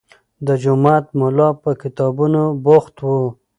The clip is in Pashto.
د جومات ملا په کتابونو بوخت و.